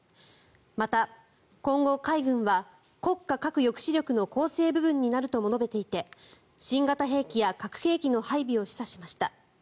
また、今後、海軍は国家核抑止力の構成部分になるとも述べていて新型兵器や核兵器の配備を示唆しました。